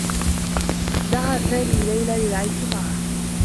دعى سامي ليلى للعيش معه.